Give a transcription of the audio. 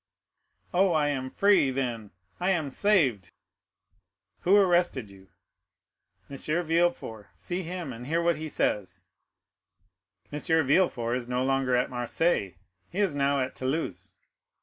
"Oh, I am free—then I am saved!" "Who arrested you?" "M. Villefort. See him, and hear what he says." "M. Villefort is no longer at Marseilles; he is now at Toulouse."